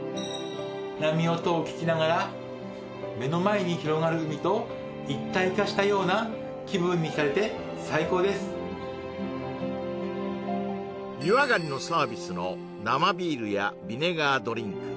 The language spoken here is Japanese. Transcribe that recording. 波音を聞きながら目の前に広がる海と一体化したような気分にひたれて最高です湯上がりのサービスの生ビールやビネガードリンク